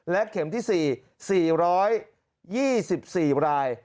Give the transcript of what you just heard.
และเข็มที่สี่๔๒๔ราย